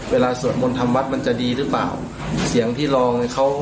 เวลาสวดมนตร์ทำวัดมันจะดีหรือเปล่า